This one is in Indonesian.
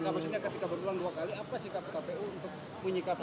maksudnya ketika berulang dua x apa sih kpu kpu untuk menyikapi